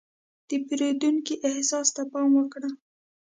د پیرودونکي احساس ته پام وکړه.